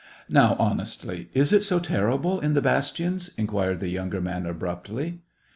Now, honestly, is it so terrible in the bas tions }" inquired the younger man, abruptly.